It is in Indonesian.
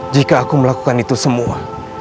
jika aku melakukan itu semua